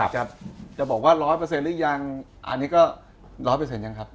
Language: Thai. จะบอกว่า๑๐๐หรือยังอันนี้ก็๑๐๐ยังครับ